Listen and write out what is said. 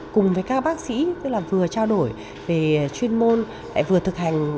cùng với các bác sĩ tức là vừa trao đổi về chuyên môn lại vừa thực hành